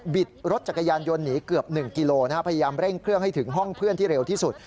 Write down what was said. รถจักรยานยนต์หนีเกือบ๑กิโลพยายามเร่งเครื่องให้ถึงห้องเพื่อนที่เร็วที่สุด